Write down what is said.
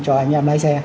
cho anh em lái xe